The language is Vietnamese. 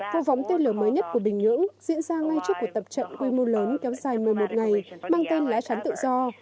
vụ phóng tên lửa mới nhất của bình nhưỡng diễn ra ngay trước cuộc tập trận quy mô lớn kéo dài một mươi một ngày mang tên lá chắn tự do